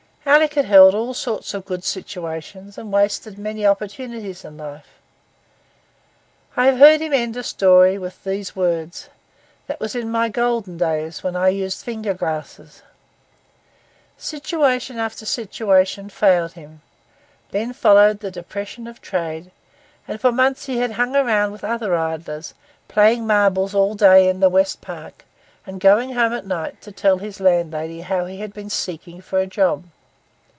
Alick had held all sorts of good situations, and wasted many opportunities in life. I have heard him end a story with these words: 'That was in my golden days, when I used finger glasses.' Situation after situation failed him; then followed the depression of trade, and for months he had hung round with other idlers, playing marbles all day in the West Park, and going home at night to tell his landlady how he had been seeking for a job.